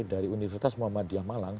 dari universitas muhammadiyah malang